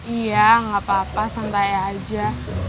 iya gapapa santai aja